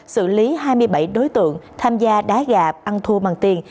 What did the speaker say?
xử lý hai mươi bảy đối tượng tham gia đá gà ăn thua bằng tiền